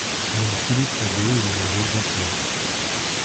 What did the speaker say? Rue Philippe Labbé au numéro vingt et un